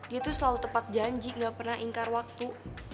dia tuh selalu tepat janji gak pernah ingkar waktu